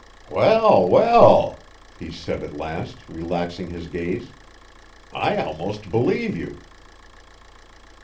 "Well, well," he said at last, relaxing his gaze, "I almost believe you."